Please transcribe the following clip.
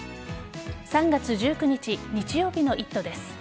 ３月１９日日曜日の「イット！」です。